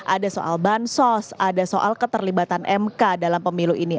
ada soal bansos ada soal keterlibatan mk dalam pemilu ini